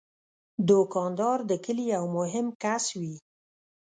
دوکاندار د کلي یو مهم کس وي.